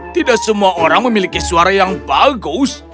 tidak semua orang memiliki suara yang bagus